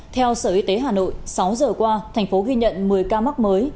theo sở y tế hà nội sáu giờ qua thành phố ghi nhận một mươi ca mắc mới